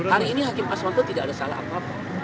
hari ini hakim aswanto tidak ada salah apa apa